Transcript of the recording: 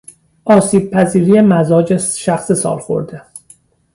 آسیبپذیری مزاج شخص سالخورده